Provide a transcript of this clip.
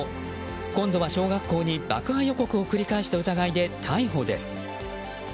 今度は小学校に爆破予告を繰り返した疑いで逮捕です。